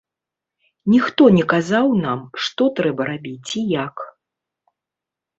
Ніхто не казаў нам, што трэба рабіць і як.